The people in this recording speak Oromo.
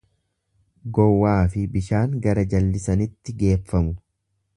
Gowwaafi bishaan gara jallisanitti geeffamu.